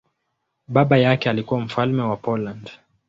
Baba yake alikuwa mfalme wa Poland.